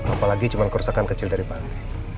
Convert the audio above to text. apalagi cuma kerusakan kecil dari pantai